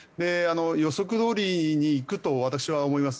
予測どおりにいくと私は思います。